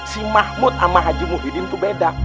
si mahmud sama aji muhyiddin tuh beda